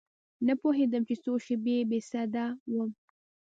نه پوهېدم چې څو شپې بې سده وم.